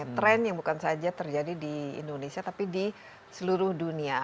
tren yang bukan saja terjadi di indonesia tapi di seluruh dunia